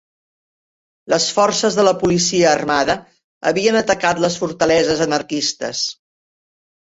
Les forces de la policia armada havien atacat les fortaleses anarquistes